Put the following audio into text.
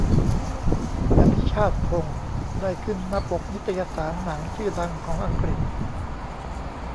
"อภิชาติพงศ์" ได้ขึ้นหน้าปกนิตยสารหนังชื่อดังของอังกฤษ